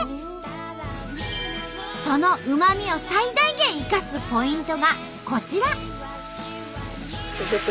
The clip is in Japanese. そのうま味を最大限生かすポイントがこちら。